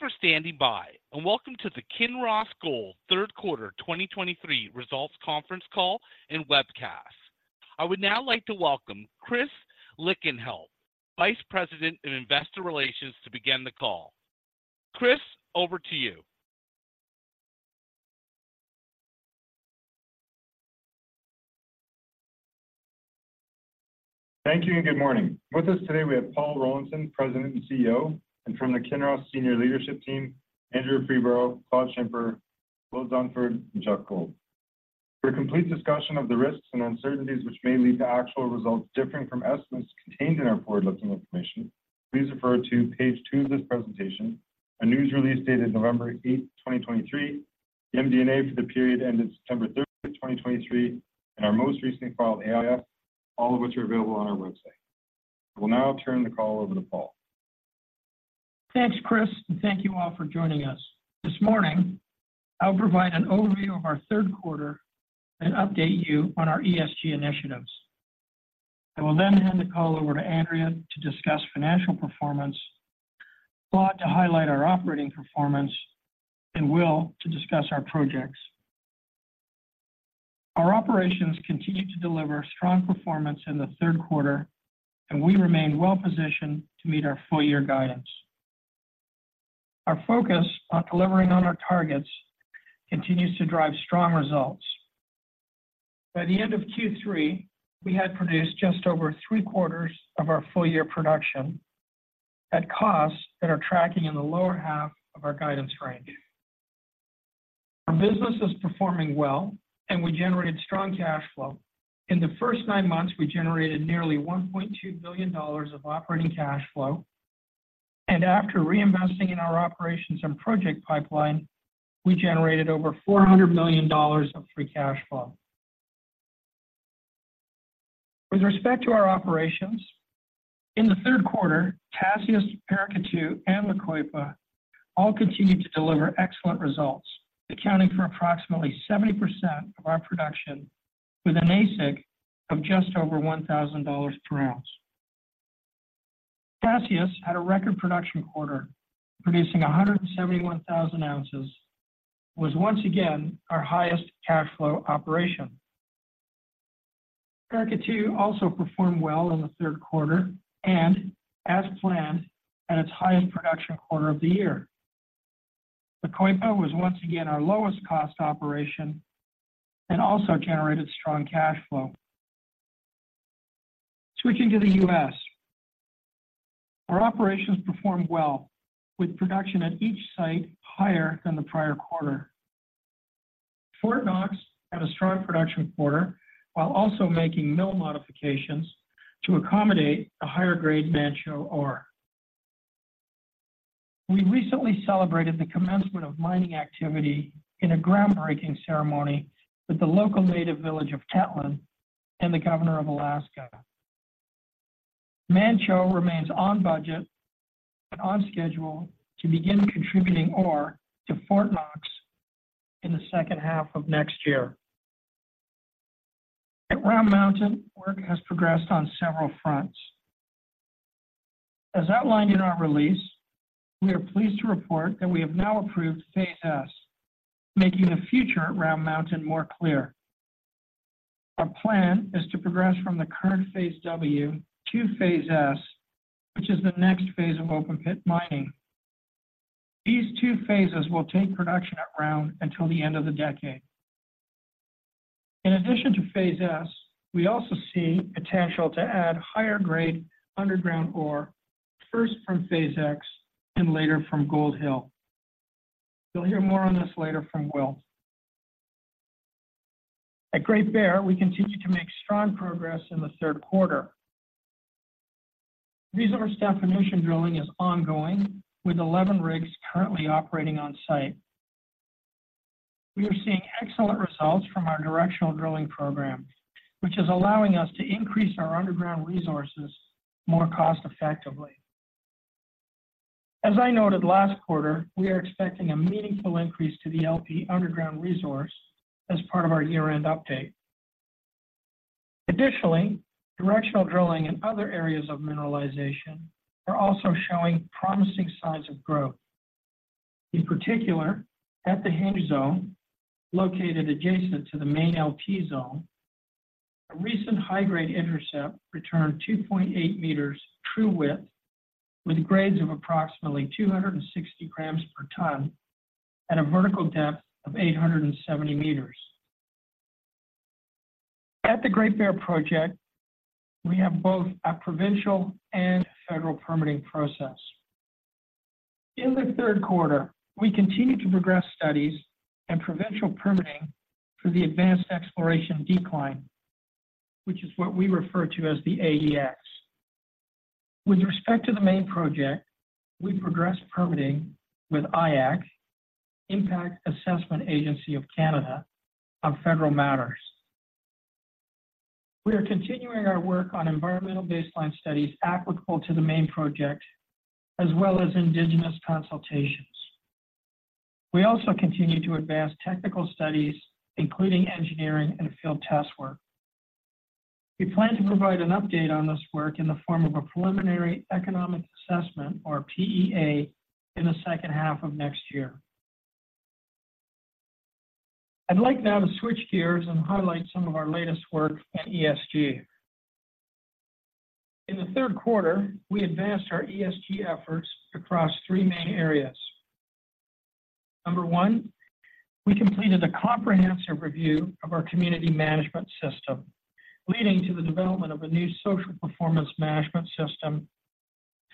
Thank you for standing by, and welcome to the Kinross Gold third quarter 2023 results conference call and webcast. I would now like to welcome Chris Lichtenheldt, Vice President of Investor Relations, to begin the call. Chris, over to you. Thank you and good morning. With us today we have Paul Rollinson, President and CEO, and from the Kinross Senior Leadership Team, Andrea Freeborough, Claude Schimper, Will Dunford, and Geoff Gold. For a complete discussion of the risks and uncertainties which may lead to actual results different from estimates contained in our forward-looking information, please refer to page two of this presentation, a news release dated November 8, 2023, the MD&A for the period ended September 30, 2023, and our most recently filed AIF, all of which are available on our website. I will now turn the call over to Paul. Thanks, Chris, and thank you all for joining us. This morning, I'll provide an overview of our third quarter and update you on our ESG initiatives. I will then hand the call over to Andrea to discuss financial performance, Claude to highlight our operating performance, and Will to discuss our projects. Our operations continued to deliver strong performance in the third quarter, and we remained well-positioned to meet our full-year guidance. Our focus on delivering on our targets continues to drive strong results. By the end of Q3, we had produced just over three-quarters of our full-year production at costs that are tracking in the lower half of our guidance range. Our business is performing well, and we generated strong cash flow. In the first nine months, we generated nearly $1.2 billion of operating cash flow, and after reinvesting in our operations and project pipeline, we generated over $400 million of free cash flow. With respect to our operations, in the third quarter, Tasiast, Paracatu, and La Coipa all continued to deliver excellent results, accounting for approximately 70% of our production with an AISC of just over $1,000 per ounce. Tasiast had a record production quarter, producing 171,000 ounces, was once again our highest cash flow operation. Paracatu also performed well in the third quarter and, as planned, at its highest production quarter of the year. La Coipa was once again our lowest cost operation and also generated strong cash flow. Switching to the U.S., our operations performed well, with production at each site higher than the prior quarter. Fort Knox had a strong production quarter while also making mill modifications to accommodate the higher-grade Manh Choh ore. We recently celebrated the commencement of mining activity in a groundbreaking ceremony with the local Native village of Tetlin and the Governor of Alaska. Manh Choh remains on budget and on schedule to begin contributing ore to Fort Knox in the second half of next year. At Round Mountain, work has progressed on several fronts. As outlined in our release, we are pleased to report that we have now approved Phase S, making the future at Round Mountain more clear. Our plan is to progress from the current Phase W to Phase S, which is the next phase of open-pit mining. These two phases will take production at Round until the end of the decade. In addition to Phase S, we also see potential to add higher-grade underground ore, first from Phase X and later from Gold Hill. You'll hear more on this later from Will. At Great Bear, we continued to make strong progress in the third quarter. Resource definition drilling is ongoing, with 11 rigs currently operating on-site. We are seeing excellent results from our directional drilling program, which is allowing us to increase our underground resources more cost-effectively. As I noted last quarter, we are expecting a meaningful increase to the LP underground resource as part of our year-end update. Additionally, directional drilling in other areas of mineralization are also showing promising signs of growth. In particular, at the Hinge Zone, located adjacent to the main LP Zone, a recent high-grade intercept returned 2.8 meters true width, with grades of approximately 260 grams per tonne and a vertical depth of 870 meters. At the Great Bear project, we have both a provincial and federal permitting process. In the third quarter, we continued to progress studies and provincial permitting for the advanced exploration decline, which is what we refer to as the AEX. With respect to the main project, we progressed permitting with IAAC, Impact Assessment Agency of Canada, on federal matters. We are continuing our work on environmental baseline studies applicable to the main project, as well as Indigenous consultation. We also continue to advance technical studies, including engineering and field test work. We plan to provide an update on this work in the form of a Preliminary Economic Assessment, or PEA, in the second half of next year. I'd like now to switch gears and highlight some of our latest work in ESG. In the third quarter, we advanced our ESG efforts across three main areas. Number one, we completed a comprehensive review of our community management system, leading to the development of a new social performance management system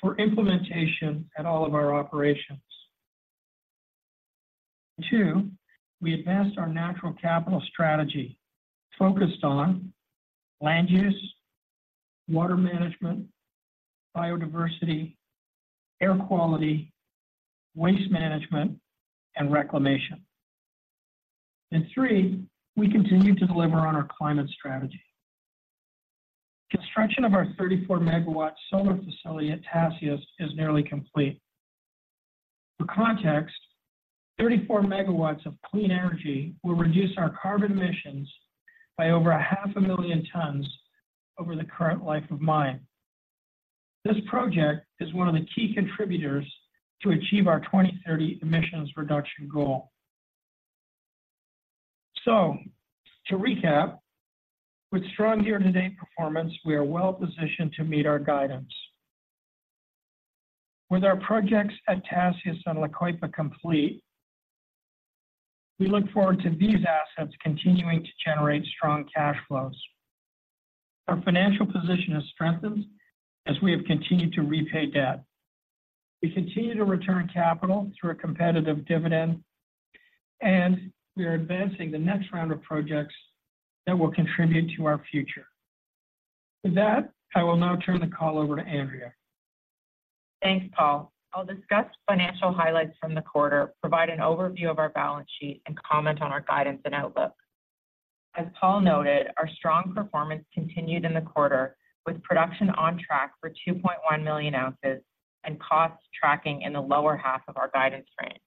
for implementation at all of our operations. Two, we advanced our natural capital strategy focused on land use, water management, biodiversity, air quality, waste management, and reclamation. And three, we continued to deliver on our climate strategy. Construction of our 34 MW solar facility at Tasiast is nearly complete. For context, 34 MW of clean energy will reduce our carbon emissions by over 500,000 tons over the current life of mine. This project is one of the key contributors to achieve our 2030 emissions reduction goal. To recap, with strong year-to-date performance, we are well positioned to meet our guidance. With our projects at Tasiast and La Coipa complete, we look forward to these assets continuing to generate strong cash flows. Our financial position has strengthened as we have continued to repay debt. We continue to return capital through a competitive dividend, and we are advancing the next round of projects that will contribute to our future. With that, I will now turn the call over to Andrea. Thanks, Paul. I'll discuss financial highlights from the quarter, provide an overview of our balance sheet, and comment on our guidance and outlook. As Paul noted, our strong performance continued in the quarter, with production on track for 2.1 million ounces and costs tracking in the lower half of our guidance range.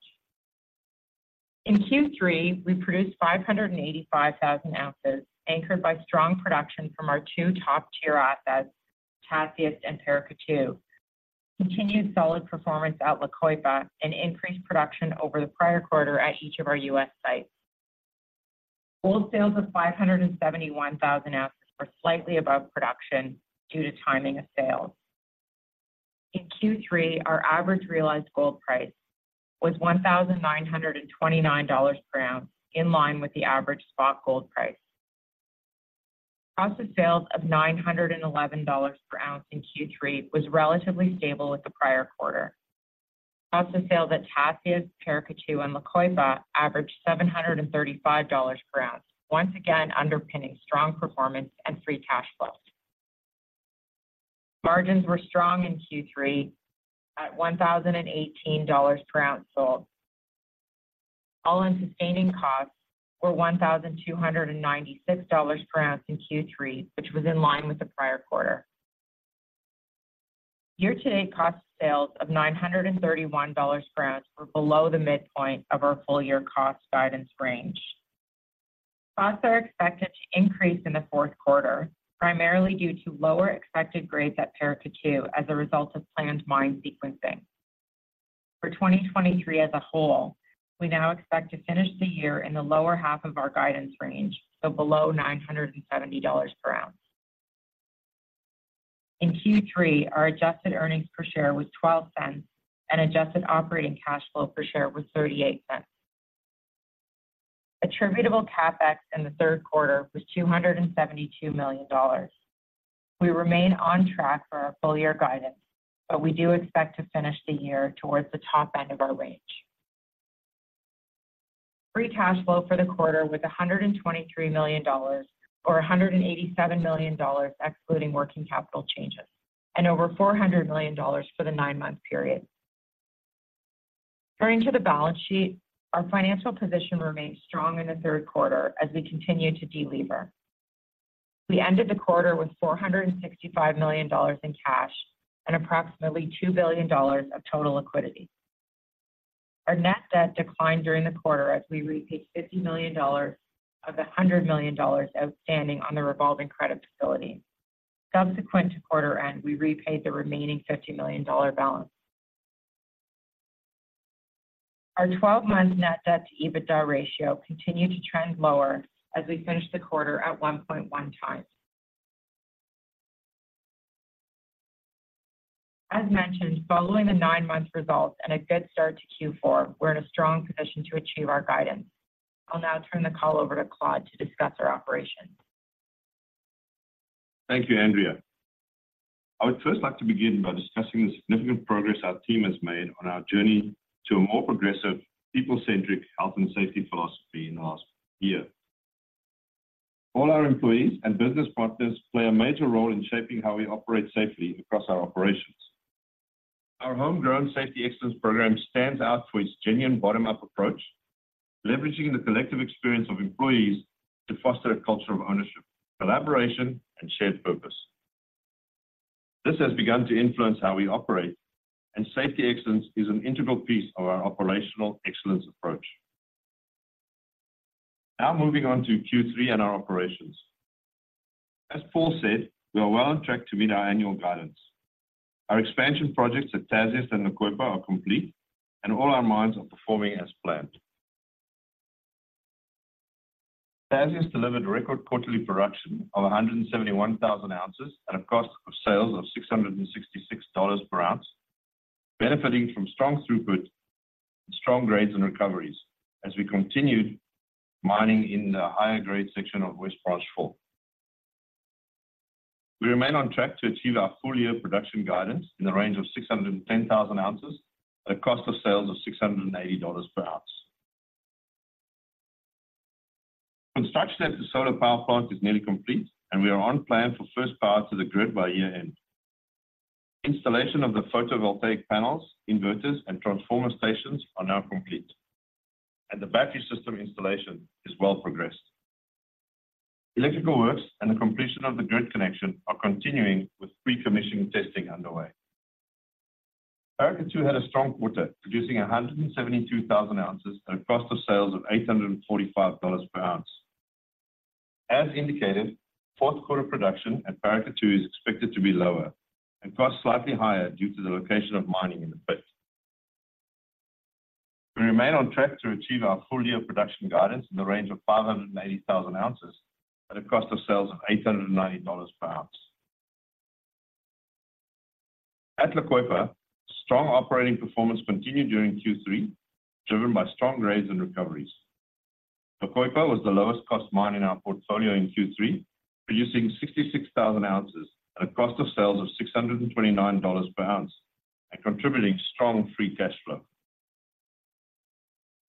In Q3, we produced 585,000 ounces, anchored by strong production from our two top-tier assets, Tasiast and Paracatu, continued solid performance at La Coipa, and increased production over the prior quarter at each of our U.S. sites. Gold sales of 571,000 ounces were slightly above production due to timing of sales. In Q3, our average realized gold price was $1,929 per ounce, in line with the average spot gold price. Cost of sales of $911 per ounce in Q3 was relatively stable with the prior quarter. Cost of sales at Tasiast, Paracatu, and La Coipa averaged $735 per ounce, once again underpinning strong performance and free cash flow. Margins were strong in Q3 at $1,018 per ounce sold. All-in sustaining costs were $1,296 per ounce in Q3, which was in line with the prior quarter. Year-to-date cost of sales of $931 per ounce were below the midpoint of our full-year cost guidance range. Costs are expected to increase in the fourth quarter, primarily due to lower expected grades at Paracatu as a result of planned mine sequencing. For 2023 as a whole, we now expect to finish the year in the lower half of our guidance range, so below $970 per ounce. In Q3, our adjusted earnings per share was $0.12, and adjusted operating cash flow per share was $0.38. Attributable CapEx in the third quarter was $272 million. We remain on track for our full-year guidance, but we do expect to finish the year towards the top end of our range. Free cash flow for the quarter was $123 million, or $187 million, excluding working capital changes, and over $400 million for the nine-month period. Turning to the balance sheet, our financial position remained strong in the third quarter as we continued to delever. We ended the quarter with $465 million in cash and approximately $2 billion of total liquidity. Our net debt declined during the quarter as we repaid $50 million of the $100 million outstanding on the revolving credit facility. Subsequent to quarter end, we repaid the remaining $50 million balance. Our 12-month net debt to EBITDA ratio continued to trend lower as we finished the quarter at 1.1 times. As mentioned, following the nine-month results and a good start to Q4, we're in a strong position to achieve our guidance. I'll now turn the call over to Claude to discuss our operations. Thank you, Andrea. I would first like to begin by discussing the significant progress our team has made on our journey to a more progressive, people-centric, health and safety philosophy in the last year. All our employees and business partners play a major role in shaping how we operate safely across our operations. Our homegrown Safety Excellence program stands out for its genuine bottom-up approach, leveraging the collective experience of employees to foster a culture of ownership, collaboration, and shared purpose. This has begun to influence how we operate, and safety excellence is an integral piece of our operational excellence approach. Now, moving on to Q3 and our operations. As Paul said, we are well on track to meet our annual guidance. Our expansion projects at Tasiast and La Coipa are complete, and all our mines are performing as planned. Tasiast delivered record quarterly production of 171,000 ounces at a cost of sales of $666 per ounce, benefiting from strong throughput and strong grades and recoveries as we continued mining in the higher grade section of West Branch 4. We remain on track to achieve our full-year production guidance in the range of 610,000 ounces at a cost of sales of $680 per ounce. Construction at the solar power plant is nearly complete, and we are on plan for first power to the grid by year-end. Installation of the photovoltaic panels, inverters, and transformer stations are now complete, and the battery system installation is well progressed. Electrical works and the completion of the grid connection are continuing, with pre-commissioning testing underway. Paracatu had a strong quarter, producing 172,000 ounces at a cost of sales of $845 per ounce. As indicated, fourth quarter production at Paracatu is expected to be lower and cost slightly higher due to the location of mining in the pit. We remain on track to achieve our full-year production guidance in the range of 590,000 ounces at a cost of sales of $890 per ounce. At La Coipa, strong operating performance continued during Q3, driven by strong grades and recoveries. La Coipa was the lowest-cost mine in our portfolio in Q3, producing 66,000 ounces at a cost of sales of $629 per ounce and contributing strong free cash flow.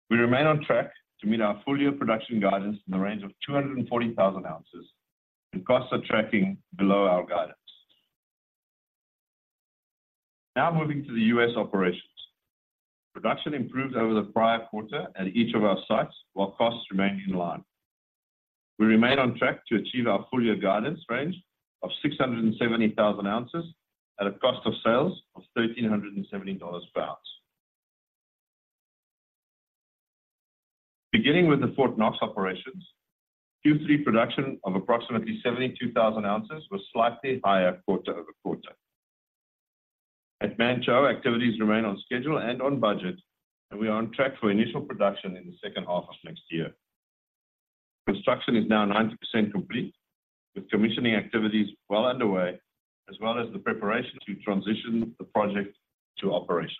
We remain on track to meet our full-year production guidance in the range of 240,000 ounces, and costs are tracking below our guidance. Now, moving to the U.S. operations. Production improved over the prior quarter at each of our sites, while costs remained in line. We remain on track to achieve our full-year guidance range of 670,000 ounces at a cost of sales of $1,370 per ounce. Beginning with the Fort Knox operations, Q3 production of approximately 72,000 ounces was slightly higher quarter-over-quarter. At Manh Choh, activities remain on schedule and on budget, and we are on track for initial production in the second half of next year. Construction is now 90% complete, with commissioning activities well underway, as well as the preparation to transition the project to operations.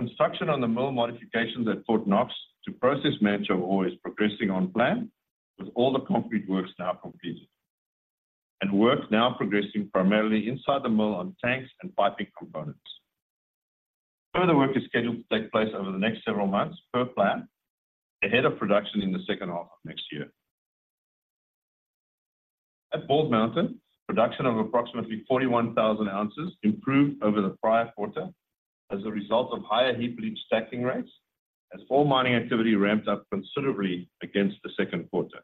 Construction on the mill modifications at Fort Knox to process Manh Choh ore is progressing on plan, with all the concrete works now completed, and works now progressing primarily inside the mill on tanks and piping components. Further work is scheduled to take place over the next several months per plan, ahead of production in the second half of next year. At Bald Mountain, production of approximately 41,000 ounces improved over the prior quarter as a result of higher heap leach stacking rates, as all mining activity ramped up considerably against the second quarter.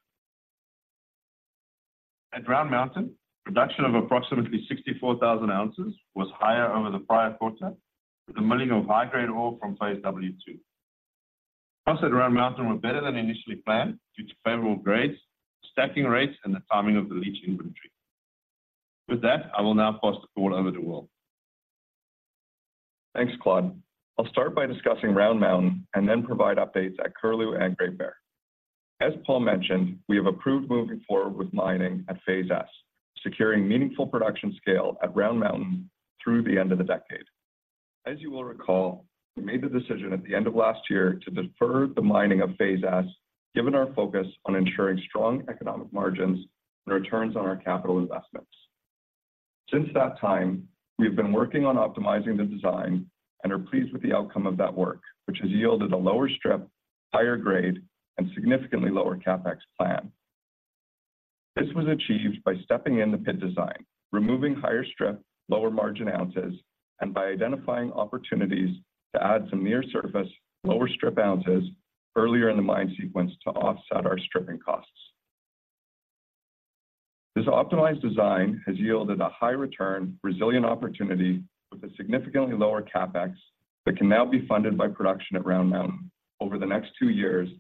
At Round Mountain, production of approximately 64,000 ounces was higher over the prior quarter, with the milling of high-grade ore from Phase W2. Costs at Round Mountain were better than initially planned due to favorable grades, stacking rates, and the timing of the leach inventory. With that, I will now pass the call over to Will. Thanks, Claude. I'll start by discussing Round Mountain and then provide updates at Curlew and Great Bear. As Paul mentioned, we have approved moving forward with mining at Phase S, securing meaningful production scale at Round Mountain through the end of the decade. As you will recall, we made the decision at the end of last year to defer the mining of Phase S, given our focus on ensuring strong economic margins and returns on our capital investments. Since that time, we've been working on optimizing the design and are pleased with the outcome of that work, which has yielded a lower strip, higher grade, and significantly lower CapEx plan. This was achieved by stepping in the pit design, removing higher strip, lower margin ounces, and by identifying opportunities to add some near-surface, lower strip ounces earlier in the mine sequence to offset our stripping costs. This optimized design has yielded a high return, resilient opportunity with a significantly lower CapEx that can now be funded by production at Round Mountain over the next two years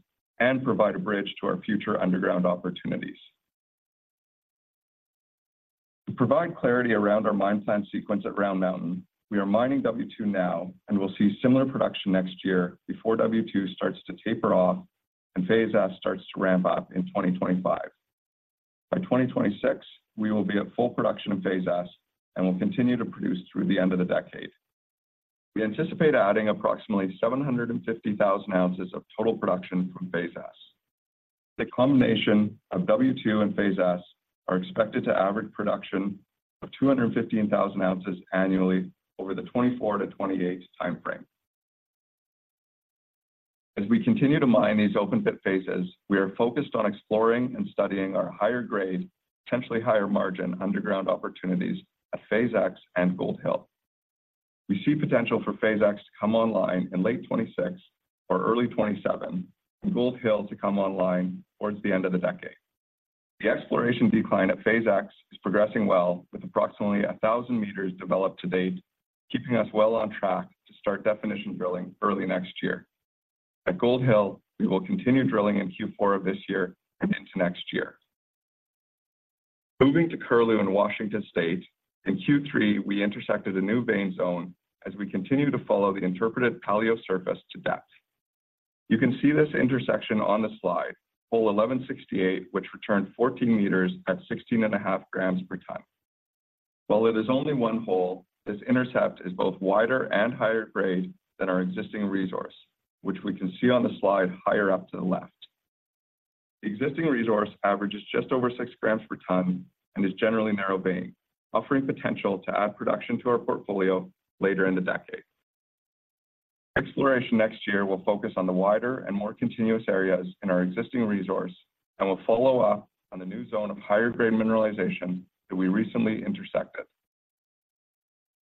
and provide a bridge to our future underground opportunities. To provide clarity around our mine plan sequence at Round Mountain, we are mining W2 now, and we'll see similar production next year before W2 starts to taper off and Phase S starts to ramp up in 2025. By 2026, we will be at full production of Phase S and will continue to produce through the end of the decade. We anticipate adding approximately 750,000 ounces of total production from Phase S. The combination of W2 and Phase S are expected to average production of 215,000 ounces annually over the 2024-2028 timeframe. As we continue to mine these open pit phases, we are focused on exploring and studying our higher-grade, potentially higher-margin underground opportunities at Phase X and Gold Hill. We see potential for Phase X to come online in late 2026 or early 2027, and Gold Hill to come online towards the end of the decade. The exploration decline at Phase X is progressing well, with approximately 1,000 meters developed to date, keeping us well on track to start definition drilling early next year. At Gold Hill, we will continue drilling in Q4 of this year and into next year. Moving to Curlew in Washington State, in Q3, we intersected a new vein zone as we continue to follow the interpreted paleo surface to depth. You can see this intersection on the slide, hole 1,168, which returned 14 meters at 16.5 grams per tonne. While it is only one hole, this intercept is both wider and higher grade than our existing resource, which we can see on the slide higher up to the left. The existing resource averages just over 6 grams per tonne and is generally narrow vein, offering potential to add production to our portfolio later in the decade. Exploration next year will focus on the wider and more continuous areas in our existing resource, and we'll follow up on the new zone of higher-grade mineralization that we recently intersected.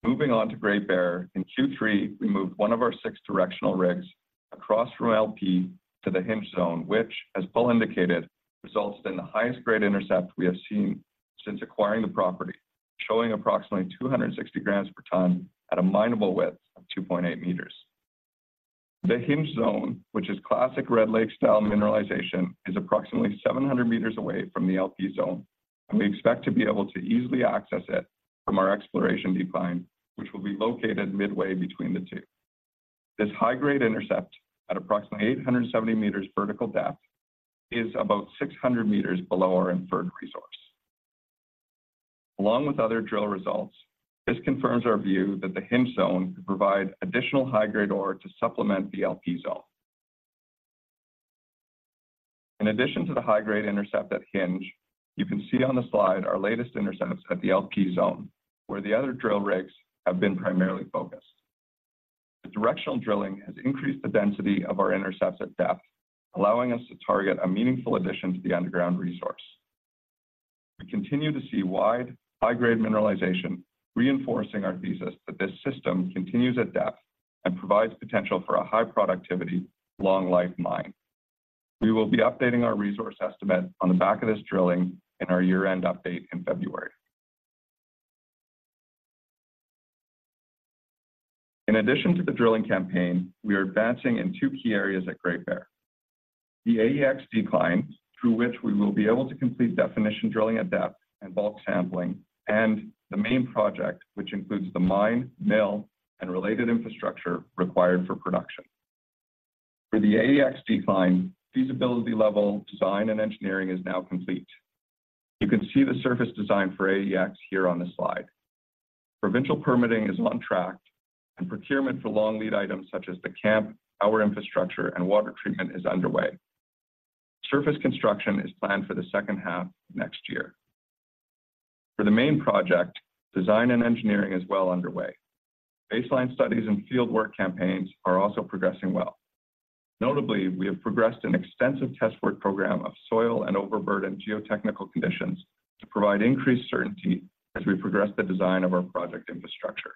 Moving on to Great Bear, in Q3, we moved one of our six directional rigs across from LP to the Hinge Zone, which, as Paul indicated, results in the highest grade intercept we have seen since acquiring the property, showing approximately 260 grams per tonne at a mineable width of 2.8 meters. The Hinge Zone, which is classic Red Lake-style mineralization, is approximately 700 meters away from the LP Zone, and we expect to be able to easily access it from our exploration decline, which will be located midway between the two. This high-grade intercept, at approximately 870 meters vertical depth, is about 600 meters below our inferred resource. Along with other drill results, this confirms our view that the Hinge Zone could provide additional high-grade ore to supplement the LP Zone. In addition to the high-grade intercept at Hinge, you can see on the slide our latest intercepts at the LP Zone, where the other drill rigs have been primarily focused. The directional drilling has increased the density of our intercepts at depth, allowing us to target a meaningful addition to the underground resource. We continue to see wide, high-grade mineralization, reinforcing our thesis that this system continues at depth and provides potential for a high-productivity, long-life mine. We will be updating our resource estimate on the back of this drilling in our year-end update in February. In addition to the drilling campaign, we are advancing in two key areas at Great Bear. The AEX Decline, through which we will be able to complete definition drilling at depth and bulk sampling, and the main project, which includes the mine, mill, and related infrastructure required for production. For the AEX Decline, feasibility level, design, and engineering is now complete. You can see the surface design for AEX here on this slide. Provincial permitting is on track, and procurement for long lead items such as the camp, power infrastructure, and water treatment is underway. Surface construction is planned for the second half of next year. For the main project, design and engineering is well underway. Baseline studies and fieldwork campaigns are also progressing well. Notably, we have progressed an extensive test work program of soil and overburden geotechnical conditions to provide increased certainty as we progress the design of our project infrastructure.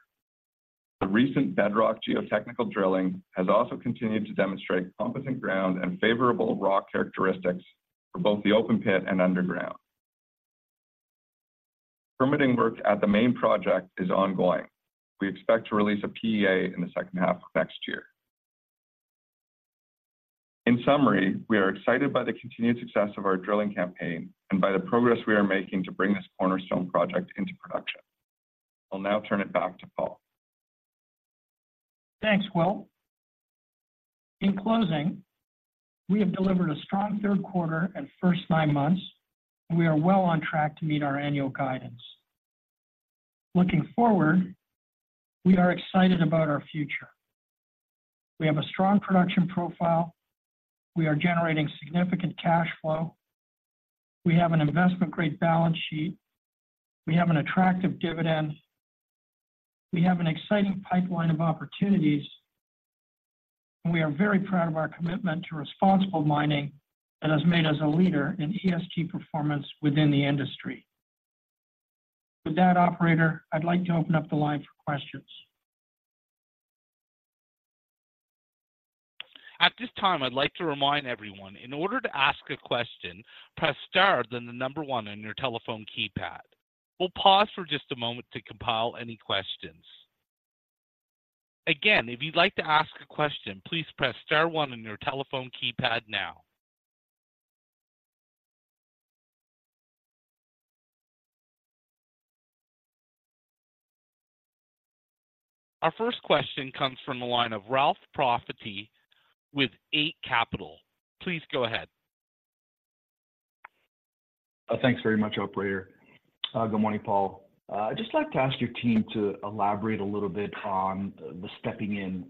The recent bedrock geotechnical drilling has also continued to demonstrate competent ground and favorable rock characteristics for both the open pit and underground. Permitting work at the main project is ongoing. We expect to release a PEA in the second half of next year. In summary, we are excited by the continued success of our drilling campaign and by the progress we are making to bring this cornerstone project into production. I'll now turn it back to Paul. Thanks, Will. In closing, we have delivered a strong third quarter and first nine months, and we are well on track to meet our annual guidance. Looking forward, we are excited about our future. We have a strong production profile. We are generating significant cash flow. We have an investment-grade balance sheet. We have an attractive dividend. We have an exciting pipeline of opportunities, and we are very proud of our commitment to responsible mining that has made us a leader in ESG performance within the industry. With that, operator, I'd like to open up the line for questions. At this time, I'd like to remind everyone, in order to ask a question, press star, then the number one on your telephone keypad. We'll pause for just a moment to compile any questions. Again, if you'd like to ask a question, please press star one on your telephone keypad now. Our first question comes from the line of Ralph Profiti with Eight Capital. Please go ahead. Thanks very much, operator. Good morning, Paul. I'd just like to ask your team to elaborate a little bit on the stepping in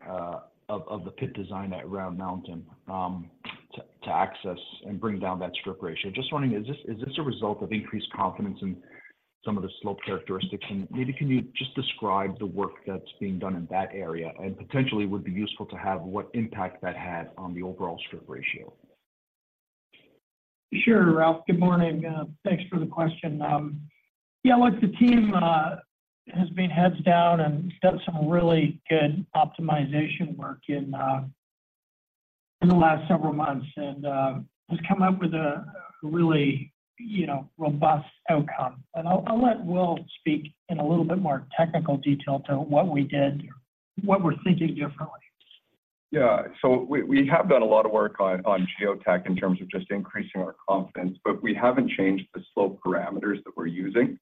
of the pit design at Round Mountain, to access and bring down that Strip Ratio. Just wondering, is this a result of increased confidence in some of the slope characteristics? And maybe can you just describe the work that's being done in that area, and potentially it would be useful to have what impact that had on the overall Strip Ratio? Sure, Ralph, good morning. Thanks for the question. Yeah, look, the team has been heads down and done some really good optimization work in the last several months, and has come up with a really, you know, robust outcome. And I'll let Will speak in a little bit more technical detail to what we did, what we're thinking differently. Yeah. So we have done a lot of work on geotech in terms of just increasing our confidence, but we haven't changed the slope parameters that we're using.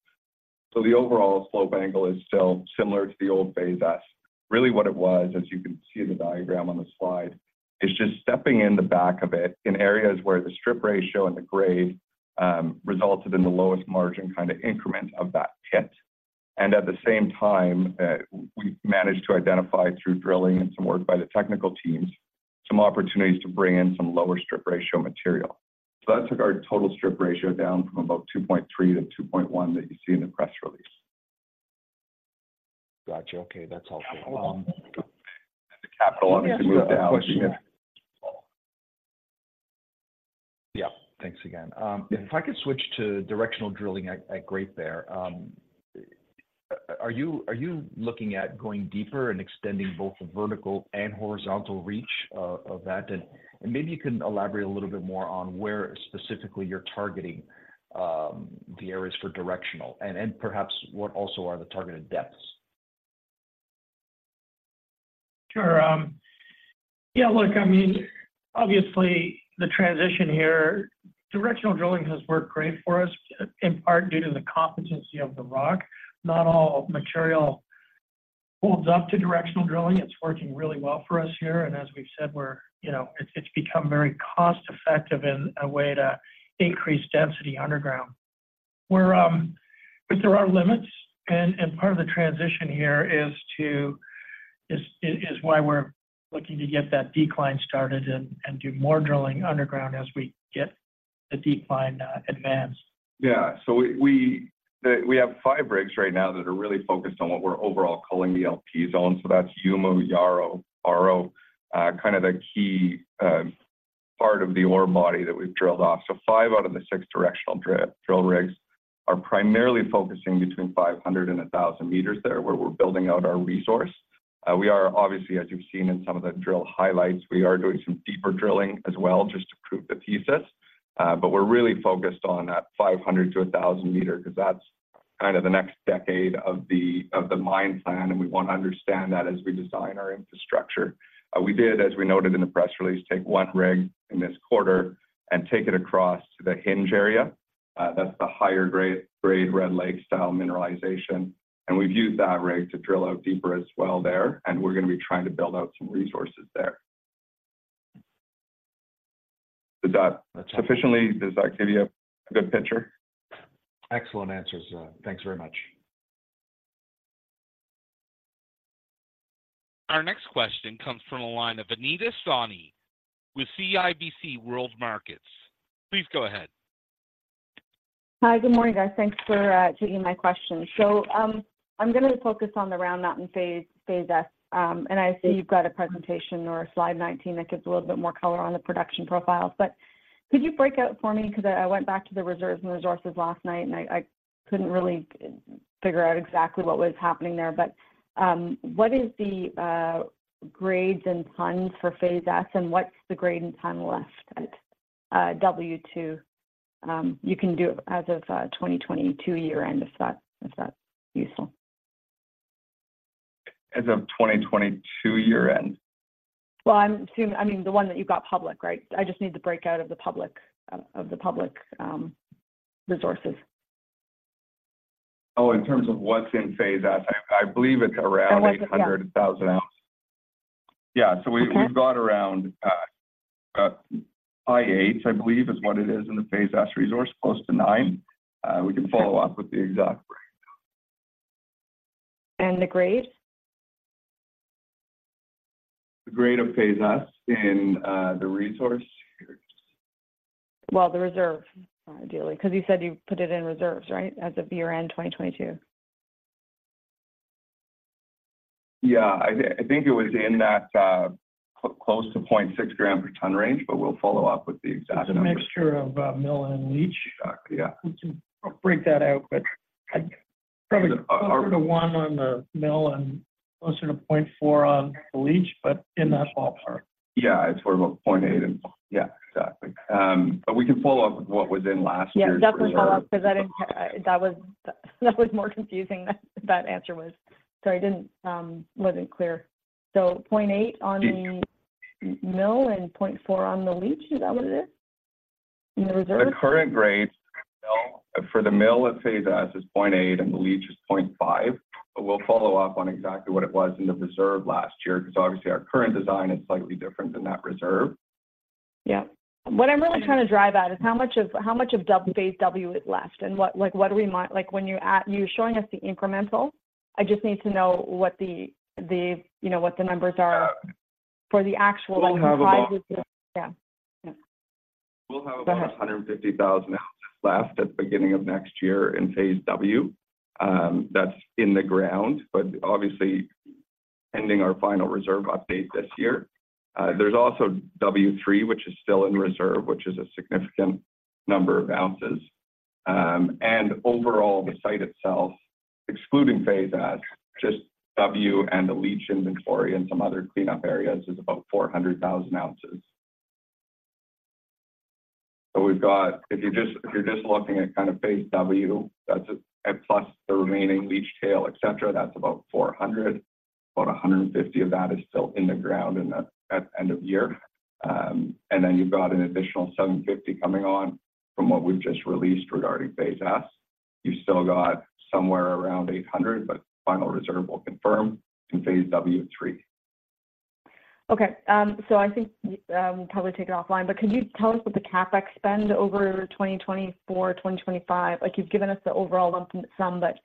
So the overall slope angle is still similar to the old Phase S. Really, what it was, as you can see in the diagram on the slide, is just stepping in the back of it in areas where the strip ratio and the grade resulted in the lowest margin, kind of, increment of that pit. And at the same time, we managed to identify through drilling and some work by the technical teams, some opportunities to bring in some lower strip ratio material. So that took our total strip ratio down from about 2.3 to 2.1 that you see in the press release. Got you. Okay. That's all. The capital obviously went down. Yeah. Thanks again. If I could switch to Directional Drilling at Great Bear. Are you looking at going deeper and extending both the vertical and horizontal reach of that? And maybe you can elaborate a little bit more on where specifically you're targeting the areas for directional, and perhaps what also are the targeted depths? Sure. Yeah, look, I mean, obviously, the transition here, directional drilling has worked great for us, in part due to the competency of the rock. Not all material holds up to directional drilling. It's working really well for us here, and as we've said, we're, you know. It's, it's become very cost-effective in a way to increase density underground. We're, but there are limits, and, and part of the transition here is to, is, is why we're looking to get that decline started and, and do more drilling underground as we get the decline, advanced. Yeah. So we have five rigs right now that are really focused on what we're overall calling the LP Zone. So that's kind of the key part of the ore body that we've drilled off. So five out of the six directional drill rigs are primarily focusing between 500 and 1,000 meters there, where we're building out our resource. We are obviously, as you've seen in some of the drill highlights, we are doing some deeper drilling as well, just to prove the thesis. But we're really focused on that 500 to 1,000 meter, 'cause that's kind of the next decade of the mine plan, and we want to understand that as we design our infrastructure. We did, as we noted in the press release, take one rig in this quarter and take it across to the Hinge area. That's the higher grade Red Lake-style mineralization, and we've used that rig to drill out deeper as well there, and we're gonna be trying to build out some resources there. Does that give you a good picture? Excellent answers. Thanks very much. Our next question comes from the line of Anita Soni with CIBC World Markets. Please go ahead. Hi, good morning, guys. Thanks for taking my question. So, I'm gonna focus on the Round Mountain Phase S. And I see you've got a presentation or slide 19 that gives a little bit more color on the production profiles. But could you break out for me, 'cause I went back to the reserves and resources last night, and I couldn't really figure out exactly what was happening there. But what is the grades and tons for Phase S, and what's the grade and ton left at W2? You can do it as of 2022 year-end, if that's useful. As of 2022 year-end? Well, I'm assuming, I mean, the one that you got public, right? I just need the breakout of the public, of the public resources. Oh, in terms of what's in Phase S, I believe it's around 800,000 ounces. Yeah. Yeah. Okay. So we've got around high 8s, I believe, is what it is in the Phase S resource, close to nine. We can follow up with the exact breakdown. The grade? The grade of Phase S in the resource? Well, the reserve, ideally, 'cause you said you put it in reserves, right? As of year-end, 2022. Yeah. I think it was in that close to 0.6 gram per tonne range, but we'll follow up with the exact numbers. It's a mixture of, mill and leach. Yeah. We can break that out, but probably closer to one on the mill and closer to 0.4 on the leach, but in that ballpark. Yeah, it's sort of 0.8 and yeah, exactly. But we can follow up with what was in last year's reserve. Yeah, definitely follow up, 'cause I didn't. That was, that was more confusing, that, that answer was. So I didn't, wasn't clear. So point eight on the mill and 0.4 on the leach, is that what it is in the reserve? The current grade for the mill, for the mill, let's say that is 0.8 and the leach is 0.5. But we'll follow up on exactly what it was in the reserve last year, because obviously, our current design is slightly different than that reserve. Yeah. What I'm really trying to drive at is how much of, how much of Phase W is left, and what, like, what do we like, when you're showing us the incremental. I just need to know what the, the, you know, what the numbers are for the actual- We have about. Yeah. Yeah. We'll have about 150,000 ounces left at the beginning of next year in Phase W. That's in the ground, but obviously ending our final reserve update this year. There's also W3, which is still in reserve, which is a significant number of ounces. And overall, the site itself, excluding Phase S, just W and the leach inventory and some other cleanup areas, is about 400,000 ounces. So we've got. If you're just, if you're just looking at kind of Phase W, that's, and plus the remaining leach tail, et cetera, that's about 400. About 150 of that is still in the ground in the, at end of year. And then you've got an additional 750 coming on from what we've just released regarding Phase S. You've still got somewhere around 800, but final reserve will confirm in Phase W3. Okay, so I think we'll probably take it offline, but could you tell us what the CapEx spend over 2024, 2025? Like, you've given us the overall lump sum, but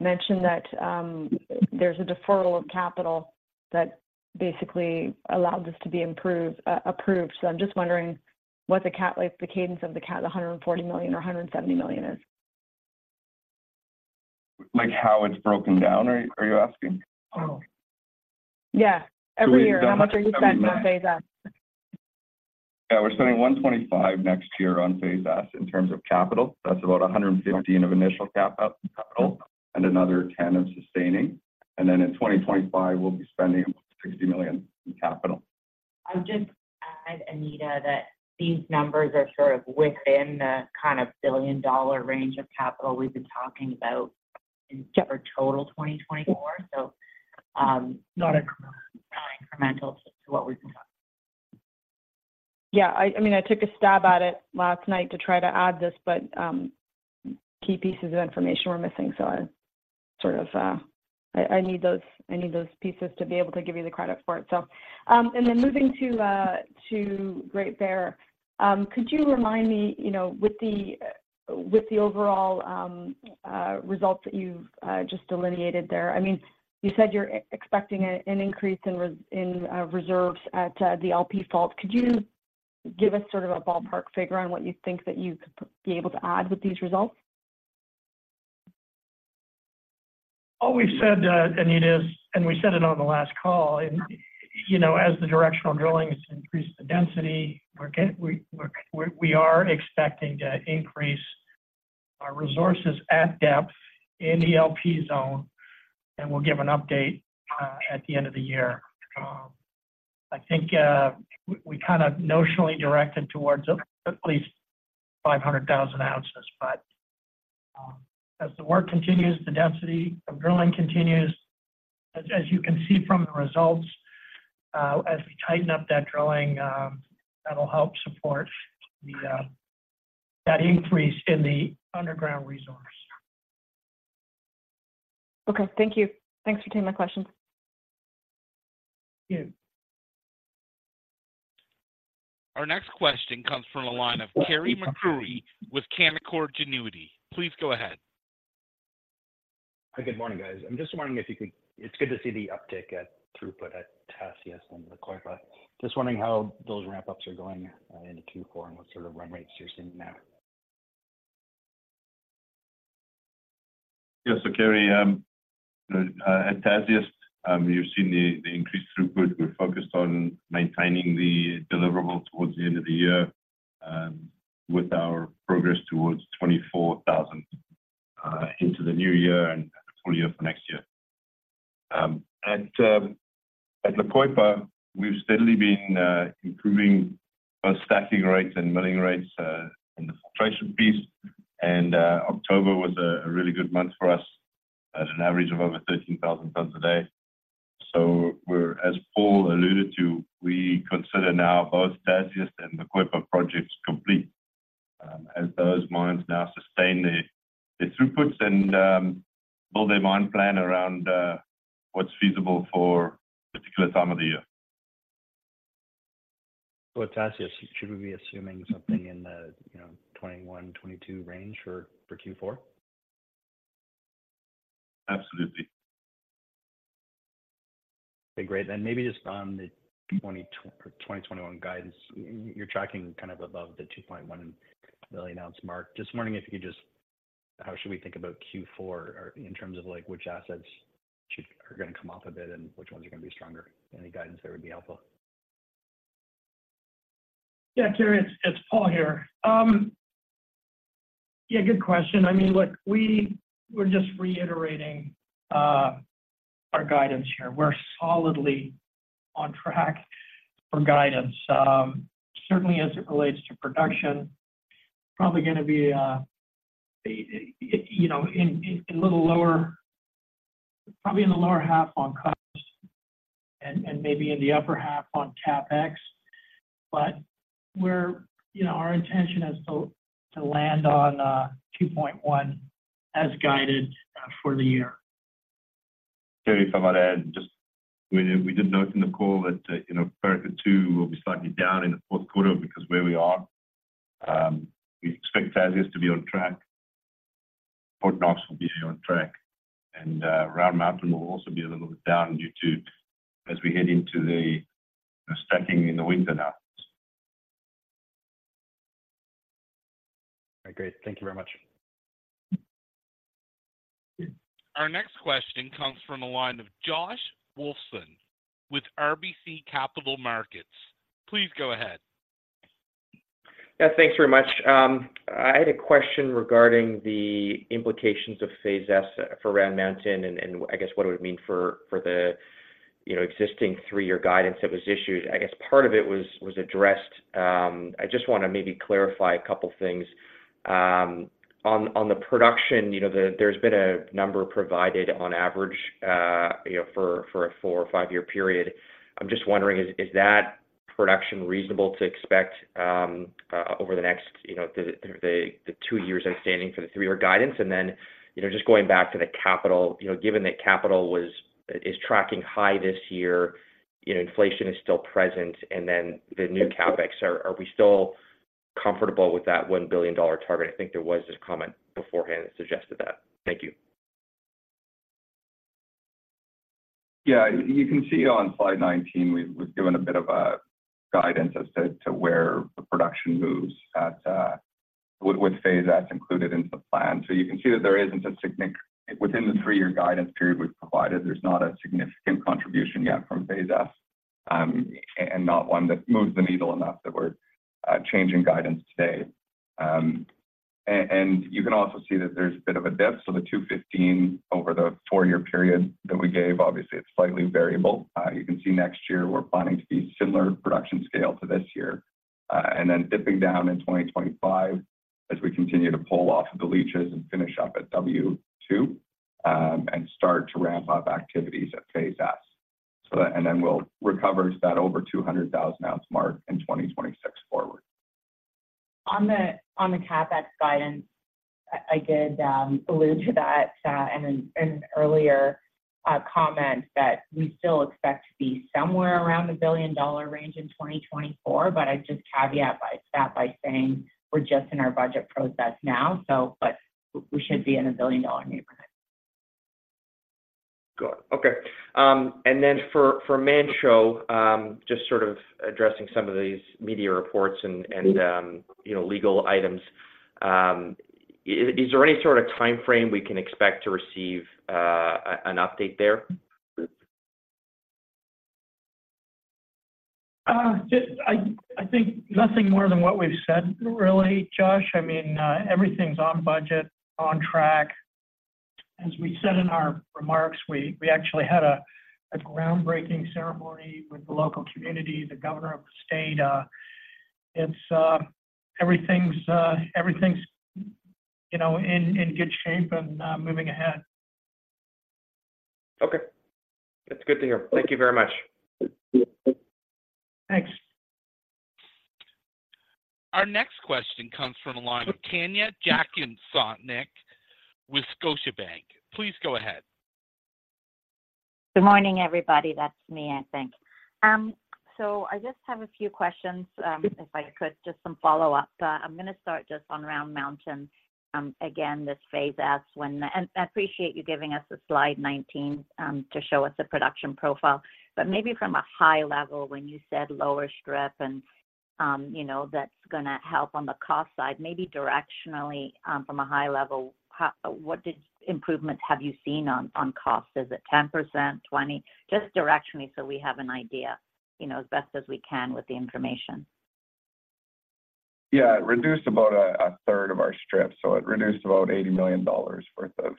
mentioned that there's a deferral of capital that basically allowed this to be improved, approved. So I'm just wondering what the cap, like, the cadence of the cap, the $140 million or $170 million is? Like how it's broken down, are you asking? Oh, yeah. Every year, how much are you spending on Phase S? Yeah, we're spending $125 million next year on Phase S in terms of capital. That's about $115 million of initial capital and another $10 million of sustaining. And then in 2025, we'll be spending $60 million in capital. I'll just add, Anita, that these numbers are sort of within the kind of $1 billion range of capital we've been talking about in our total 2024. So, not incremental to what we've been talking. Yeah, I mean, I took a stab at it last night to try to add this, but key pieces of information were missing, so I sort of need those pieces to be able to give you the credit for it. And then moving to Great Bear, could you remind me, you know, with the overall results that you've just delineated there? I mean, you said you're expecting an increase in reserves at the LP fault. Could you give us sort of a ballpark figure on what you think that you could be able to add with these results? All we've said, Anita, and we said it on the last call, and, you know, as the directional drilling has increased the density, we are expecting to increase our resources at depth in the LP zone, and we'll give an update at the end of the year. I think, we kinda notionally directed towards at least 500,000 ounces, but, as the work continues, the density of drilling continues. As you can see from the results, as we tighten up that drilling, that'll help support that increase in the underground resource. Okay. Thank you. Thanks for taking my questions. Yeah. Our next question comes from the line of Carey MacRury with Canaccord Genuity. Please go ahead. Hi, good morning, guys. It's good to see the uptick at throughput at Tasiast and La Coipa. Just wondering how those ramp-ups are going into Q4 and what sort of run rates you're seeing now. Yeah, so Carey, at Tasiast, you've seen the increased throughput. We're focused on maintaining the deliverable towards the end of the year, with our progress towards 24,000 into the new year and the full year for next year. At La Coipa, we've steadily been improving both stacking rates and milling rates in the filtration piece, and October was a really good month for us at an average of over 13,000 tons a day. So we're, as Paul alluded to, we consider now both Tasiast and La Coipa projects complete, as those mines now sustain the throughputs and build their mine plan around what's feasible for particular time of the year. So at Tasiast, should we be assuming something in the, you know, 21-22 range for Q4? Absolutely. Okay, great. Then maybe just on the 2021 guidance, you're tracking kind of above the 2.1 billion ounce mark. Just wondering if you could just how should we think about Q4 or in terms of like, which assets should, are gonna come off a bit and which ones are gonna be stronger? Any guidance there would be helpful. Yeah, Carey, it's Paul here. Yeah, good question. I mean, look, we're just reiterating our guidance here. We're solidly on track for guidance. Certainly as it relates to production, probably gonna be, you know, a little lower, probably in the lower half on costs and maybe in the upper half on CapEx, but we're, you know, our intention is to land on 2.1 as guided for the year. Carey, if I might add, just we did note in the call that, you know, quarter two will be slightly down in the fourth quarter because where we are, we expect Tasiast to be on track, Fort Knox will be on track, and, Round Mountain will also be a little bit down due to as we head into the stacking in the winter now. Great. Thank you very much. Our next question comes from the line of Josh Wolfson with RBC Capital Markets. Please go ahead. Yeah, thanks very much. I had a question regarding the implications of Phase S for Round Mountain, and I guess what it would mean for the, you know, existing three year guidance that was issued. I guess part of it was addressed. I just want to maybe clarify a couple things. On the production, you know, there, there's been a number provided on average, you know, for a four or five year period. I'm just wondering, is that production reasonable to expect over the next, you know, the two years outstanding for the three year guidance? And then, you know, just going back to the capital, you know, given that capital is tracking high this year, you know, inflation is still present, and then the new CapEx, are we still comfortable with that $1 billion target? I think there was this comment beforehand that suggested that. Thank you. Yeah. You can see on slide 19, we've given a bit of a guidance as to where the production moves at with Phase S included into the plan. So you can see that there isn't a significant contribution yet from Phase S within the three-year guidance period we've provided, and not one that moves the needle enough that we're changing guidance today. And you can also see that there's a bit of a dip. So the 215 over the four-year period that we gave, obviously, it's slightly variable. You can see next year we're planning to be similar production scale to this year, and then dipping down in 2025 as we continue to pull off of the leaches and finish up at W2, and start to ramp up activities at Phase S. We'll recover to that over 200,000 ounce mark in 2026 forward. On the CapEx guidance, I did allude to that in an earlier comment that we still expect to be somewhere around the $1 billion range in 2024. But I'd just caveat by that by saying we're just in our budget process now, so but we should be in a $1 billion neighborhood. Good. Okay. And then for Manh Choh, just sort of addressing some of these media reports and you know, legal items, is there any sort of timeframe we can expect to receive an update there? Just, I think nothing more than what we've said, really, Josh. I mean, everything's on budget, on track. As we said in our remarks, we actually had a groundbreaking ceremony with the local community, the governor of the state. It's. Everything's, you know, in good shape and moving ahead. Okay. That's good to hear. Thank you very much. Thanks. Our next question comes from the line of Tanya Jakusconek with Scotiabank. Please go ahead. Good morning, everybody. That's me, I think. So I just have a few questions, if I could, just some follow-up. I'm going to start just on Round Mountain. Again, this Phase S, when—and I appreciate you giving us a slide 19, to show us the production profile. But maybe from a high level, when you said lower strip and, you know, that's gonna help on the cost side, maybe directionally, from a high level, how—what improvements have you seen on, on costs? Is it 10%, 20? Just directionally, so we have an idea, you know, as best as we can with the information. Yeah. It reduced about a, a third of our strip, so it reduced about $80 million worth of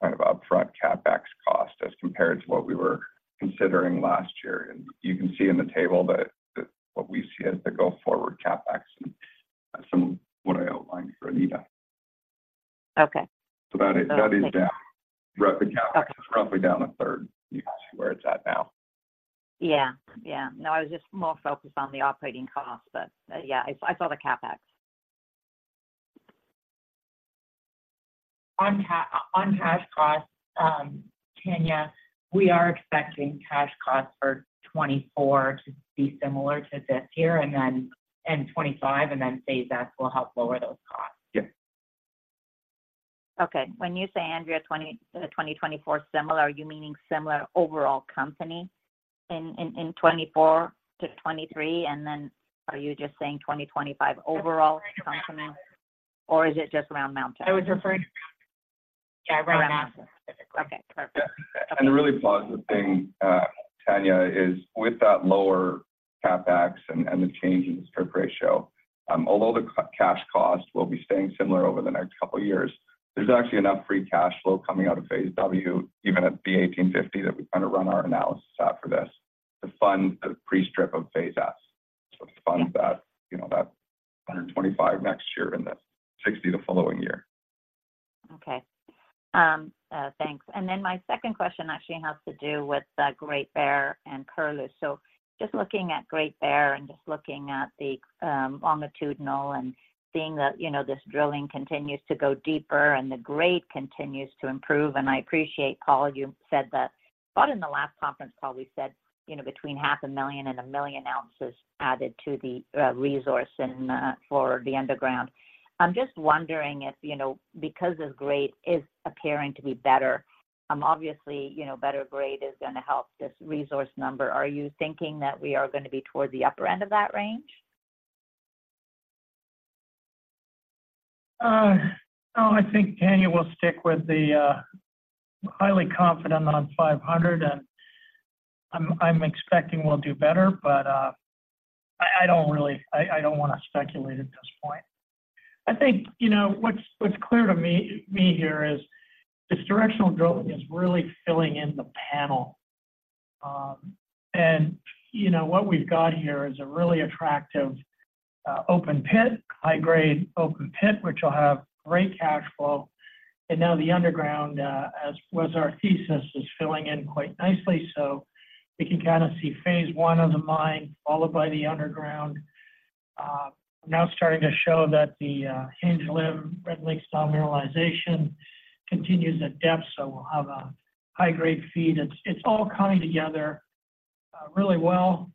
kind of upfront CapEx cost as compared to what we were considering last year. You can see in the table that, that what we see as the go-forward CapEx and some of what I outlined for Anita. Okay. So that is down. The CapEx is roughly down a third. You can see where it's at now. Yeah. Yeah. No, I was just more focused on the operating costs, but yeah, I saw the CapEx. On cash costs, Tanya, we are expecting cash costs for 2024 to be similar to this year and then and 2025, and then Phase S will help lower those costs. Yeah. Okay. When you say, Andrea, 2024 similar, are you meaning similar overall company in 2024 to 2023? And then are you just saying 2025 overall company, or is it just Round Mountain? I was referring to... Yeah, Round Mountain, specifically. Okay, perfect. Yeah. The really positive thing, Tanya, is with that lower CapEx and the change in the strip ratio, although the cash cost will be staying similar over the next couple of years, there's actually enough free cash flow coming out of Phase W, even at the $1,850, that we kind of run our analysis out for this, to fund the pre-strip of Phase S. So to fund that, you know, that $125 next year and the $60 the following year. Okay. Thanks. And then my second question actually has to do with Great Bear and Curlew. So just looking at Great Bear and just looking at the longitudinal and seeing that, you know, this drilling continues to go deeper and the grade continues to improve, and I appreciate, Paul, you said that. But in the last conference call, we said, you know, between 500,000 and 1,000,000 ounces added to the resource and for the underground. I'm just wondering if, you know, because this grade is appearing to be better. Obviously, you know, better grade is going to help this resource number. Are you thinking that we are going to be toward the upper end of that range? Oh, I think, Tanya, we'll stick with the highly confident on 500, and I'm expecting we'll do better. But I don't really—I don't want to speculate at this point. I think, you know, what's clear to me here is this directional drilling is really filling in the panel. And, you know, what we've got here is a really attractive open pit, high-grade open pit, which will have great cash flow. And now the underground, as was our thesis, is filling in quite nicely. So we can kind of see phase one of the mine, followed by the underground. Now starting to show that the Hinge limb Red Lake style mineralization continues at depth, so we'll have a high-grade feed. It's all coming together really well.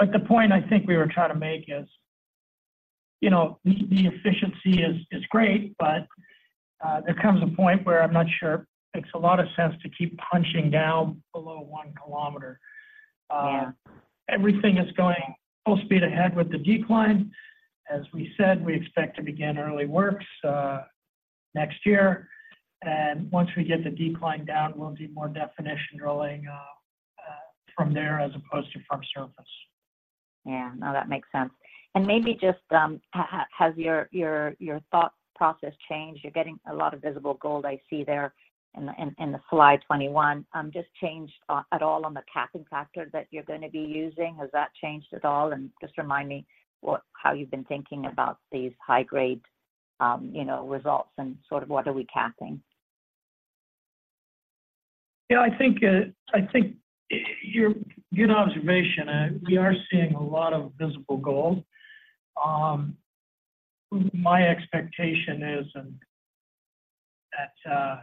But the point I think we were trying to make is, you know, the efficiency is great, but there comes a point where I'm not sure it makes a lot of sense to keep punching down below one kilometer. Yeah. Everything is going full speed ahead with the decline. As we said, we expect to begin early works next year, and once we get the decline down, we'll do more definition drilling from there as opposed to from surface. Yeah. No, that makes sense. And maybe just, has your thought process changed? You're getting a lot of visible gold I see there in the slide 21. Just changed at all on the capping factor that you're going to be using, has that changed at all? And just remind me what, how you've been thinking about these high-grade, you know, results and sort of what are we capping? Yeah, I think your good observation. We are seeing a lot of visible gold. My expectation is, and that,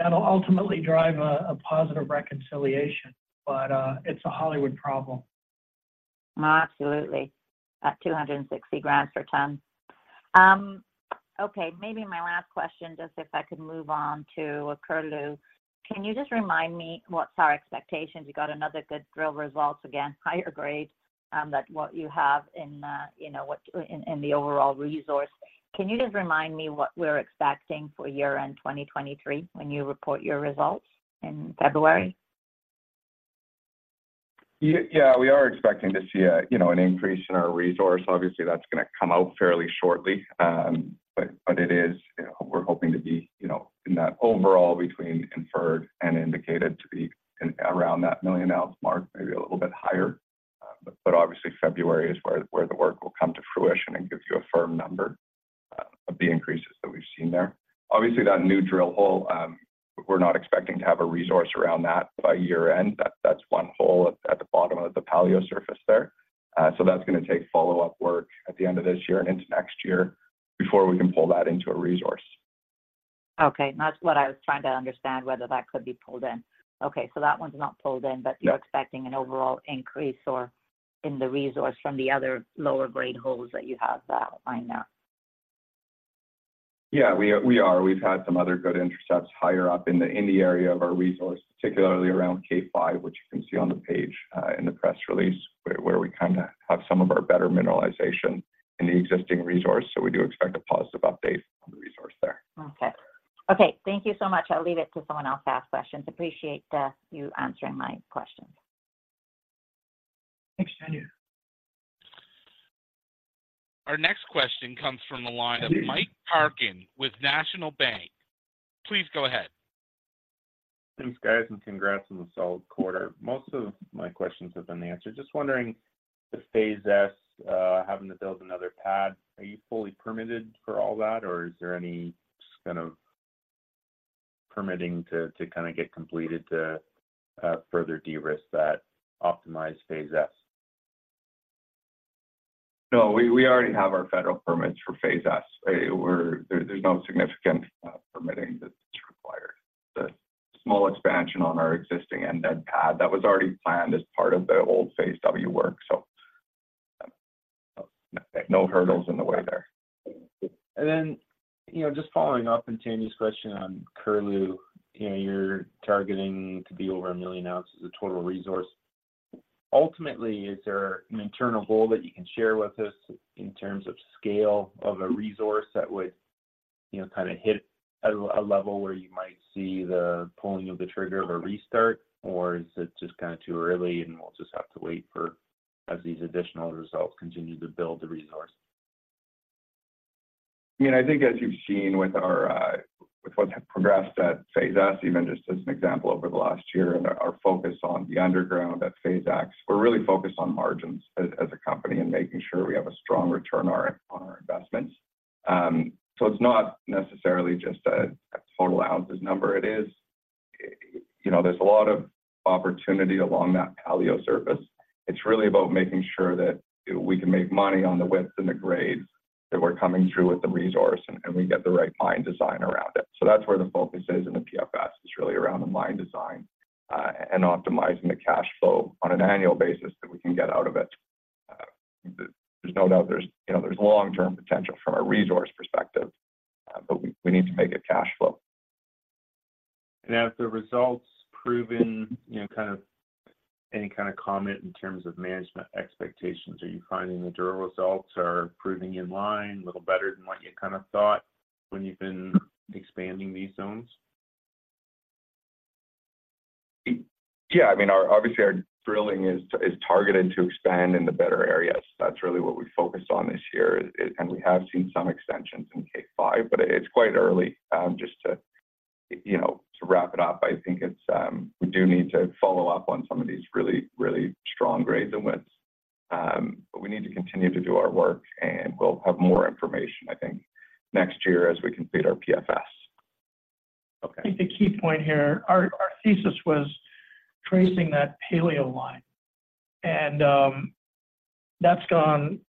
that'll ultimately drive a positive reconciliation, but it's a Hollywood problem. Absolutely, at 260 grams per tonne. Okay, maybe my last question, just if I could move on to Curlew. Can you just remind me what's our expectations? You got another good drill results, again, higher grade than what you have in, you know, what in the overall resource. Can you just remind me what we're expecting for year-end 2023 when you report your results in February? Yeah, yeah, we are expecting to see a, you know, an increase in our resource. Obviously, that's going to come out fairly shortly. But it is, you know, we're hoping to be, you know, in that overall between Inferred and Indicated to be in around that 1 million ounce mark, maybe a little bit higher. But obviously February is where the work will come to fruition and give you a firm number of the increases that we've seen there. Obviously, that new drill hole, we're not expecting to have a resource around that by year-end. That's one hole at the bottom of the Paleo Surface there. So that's going to take follow-up work at the end of this year and into next year before we can pull that into a resource. Okay. That's what I was trying to understand, whether that could be pulled in. Okay. So that one's not pulled in- Yeah. but you're expecting an overall increase or in the resource from the other lower grade holes that you have on now? Yeah, we are, we are. We've had some other good intercepts higher up in the, in the area of our resource, particularly around K5, which you can see on the page, in the press release, where, where we kind of have some of our better mineralization in the existing resource. So we do expect a positive update on the resource there. Okay. Okay, thank you so much. I'll leave it to someone else to ask questions. Appreciate, you answering my questions. Thanks, Tanya. Our next question comes from the line of Mike Parkin with National Bank. Please go ahead. Thanks, guys, and congrats on the solid quarter. Most of my questions have been answered. Just wondering, the Phase S, having to build another pad, are you fully permitted for all that, or is there any kind of permitting to kind of get completed to further de-risk that optimized Phase S? No, we already have our federal permits for Phase S. We're. There's no significant permitting that's required. The small expansion on our existing end pad, that was already planned as part of the old Phase W work, so no hurdles in the way there. Then, you know, just following up on Tanya's question on Curlew, you know, you're targeting to be over 1 million ounces of total resource. Ultimately, is there an internal goal that you can share with us in terms of scale of a resource that would, you know, kind of hit a level where you might see the pulling of the trigger of a restart? Or is it just kinda too early, and we'll just have to wait for as these additional results continue to build the resource? You know, I think as you've seen with our, with what's progressed at Phase S, even just as an example, over the last year, and our focus on the underground at Phase X, we're really focused on margins as, as a company and making sure we have a strong return on our, on our investments. So it's not necessarily just a, a total ounces number. It is... You know, there's a lot of opportunity along that Paleo Surface. It's really about making sure that we can make money on the widths and the grades, that we're coming through with the resource, and, and we get the right mine design around it. So that's where the focus is in the PFS, is really around the mine design, and optimizing the cash flow on an annual basis that we can get out of it. There's no doubt there's, you know, there's long-term potential from a resource perspective, but we need to make it cash flow. Have the results proven, you know, kind of any kind of comment in terms of management expectations? Are you finding the drill results are proving in line, a little better than what you kind of thought when you've been expanding these zones? Yeah, I mean, obviously our drilling is targeted to expand in the better areas. That's really what we focused on this year. We have seen some extensions in K-five, but it's quite early, just to, you know, to wrap it up. I think it's we do need to follow up on some of these really, really strong grades and widths. We need to continue to do our work, and we'll have more information, I think, next year as we complete our PFS. Okay. I think the key point here, our thesis was tracing that Paleo line, and that's gone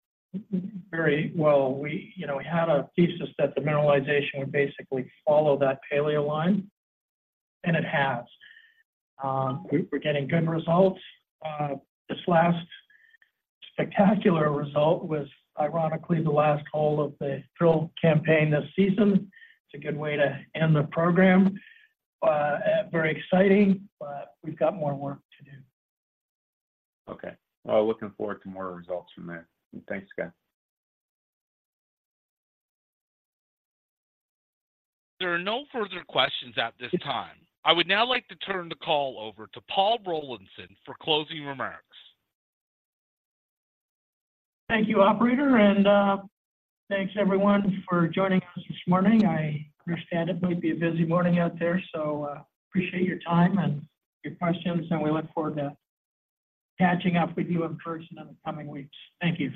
very well. We, you know, had a thesis that the mineralization would basically follow that Paleo line, and it has. We're getting good results. This last spectacular result was ironically the last hole of the drill campaign this season. It's a good way to end the program, very exciting, but we've got more work to do. Okay. Well, looking forward to more results from there. Thanks, guys. There are no further questions at this time. I would now like to turn the call over to Paul Rollinson for closing remarks. Thank you, operator, and thanks everyone for joining us this morning. I understand it might be a busy morning out there, so appreciate your time and your questions, and we look forward to catching up with you in person in the coming weeks. Thank you.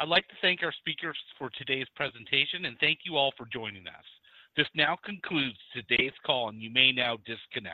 I'd like to thank our speakers for today's presentation, and thank you all for joining us. This now concludes today's call, and you may now disconnect.